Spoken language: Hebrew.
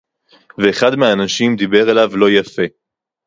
ואחד מהאנשים דיבר אליו לא יפה